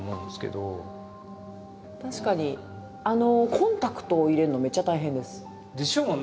コンタクトを入れるのめっちゃ大変です。でしょうね。